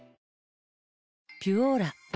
「ピュオーラ」